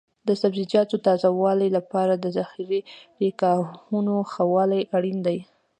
د سبزیجاتو تازه والي لپاره د ذخیره ګاهونو ښه والی اړین دی.